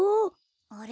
あれ？